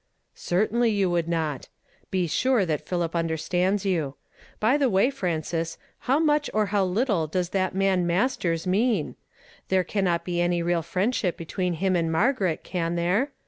" Certainly you would not. Be sure that Philip understands you. liy tlie \f{iy, Frances, how much or liow little does that man Masters mean? I'here cannot be iiny real friendship between liim and .Margaret, can there